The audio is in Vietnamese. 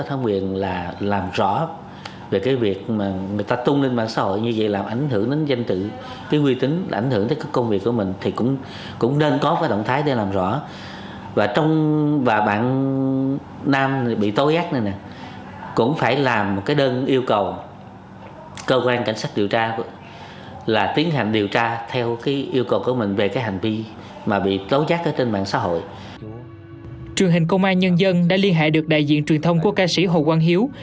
trường hình công an nhân dân đã liên hệ được đại diện truyền thông của ca sĩ hồ quang hiếu